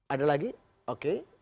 ada lagi oke